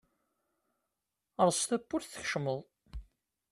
Erẓ tawwurt tkecmeḍ.